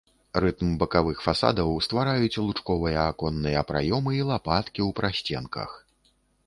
Рытм бакавых фасадаў ствараюць лучковыя аконныя праёмы і лапаткі ў прасценках.